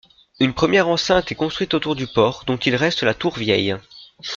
Une première enceinte est construite autour du port dont il reste la tour Vieille.